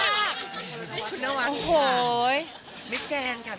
คุณนวัตต์ค่ะ